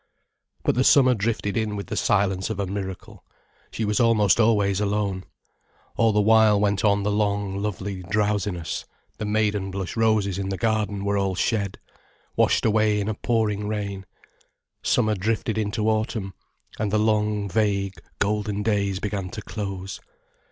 But the summer drifted in with the silence of a miracle, she was almost always alone. All the while, went on the long, lovely drowsiness, the maidenblush roses in the garden were all shed, washed away in a pouring rain, summer drifted into autumn, and the long, vague, golden days began to close.